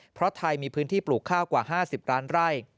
เพราะไทยมีพื้นที่ปลูกข้าวกว่า๕๐ล้านไร่